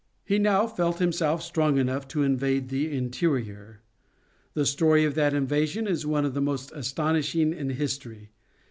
He now felt himself strong enough to invade the interior. The story of that invasion is one of the most astonishing in history.